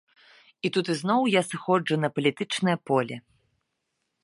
І тут ізноў я сыходжу на палітычнае поле.